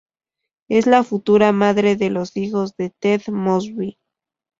Es la futura madre de los hijos de Ted Mosby.